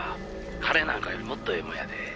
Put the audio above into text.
「金なんかよりもっとええもんやで」